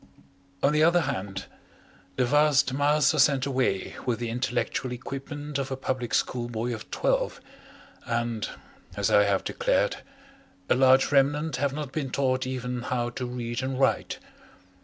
On the other hand, the vast mass are sent away with the intellectual equipment of a public school boy of twelve, and, as I have declared, a large remnant have not been taught even how to read and write.